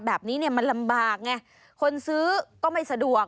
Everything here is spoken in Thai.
แบบนี้เนี่ยมันลำบากไงคนซื้อก็ไม่สะดวก